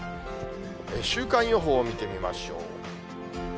週間予報を見てみましょう。